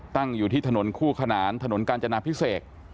อยู่ที่ถนนคู่ขนานถนนกาญจนาพิเศษ